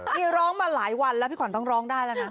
นี่ร้องมาหลายวันแล้วพี่ขวัญต้องร้องได้แล้วนะ